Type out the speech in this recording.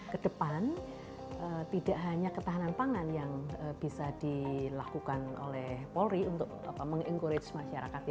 kedepan tidak hanya ketahanan pangan yang bisa dilakukan oleh polri untuk meng encourage masyarakat